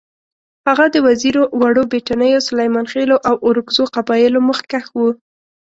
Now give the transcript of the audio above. هغه د وزیرو، وړو بېټنیو، سلیمانخېلو او اورکزو قبایلو مخکښ وو.